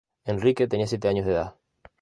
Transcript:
Enrique tenía siete años de edad.